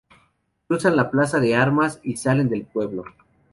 Cruzan la plaza de armas y salen del pueblo.